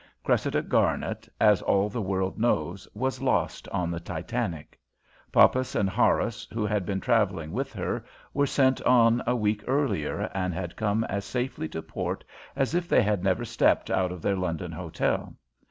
Cressida Garnet, as all the world knows, was lost on the Titanic. Poppas and Horace, who had been travelling with her, were sent on a week earlier and came as safely to port as if they had never stepped out of their London hotel.